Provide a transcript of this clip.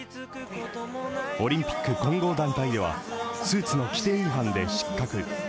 オリンピック混合団体ではスーツの規定違反で失格。